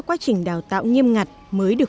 quá trình đào tạo nghiêm ngặt mới được